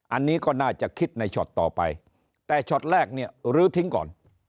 อันนี้ก็น่าจะคิดในช็อตต่อไปแต่ช็อตแรกเนี่ยลื้อทิ้งก่อน